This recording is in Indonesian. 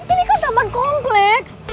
ini kan taman kompleks